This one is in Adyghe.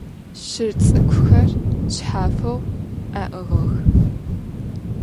Şır ts'ık'uxer şshafeu a'ığıx.